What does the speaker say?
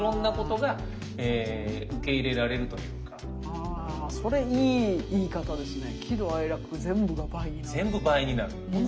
結局それいい言い方ですね。